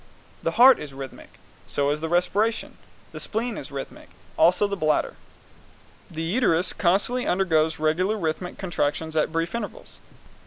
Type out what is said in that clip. The heart is rhythmic, so is the respiration. The spleen is rhythmic, so also the bladder. The uterus constantly undergoes regular rhythmic contractions at brief intervals.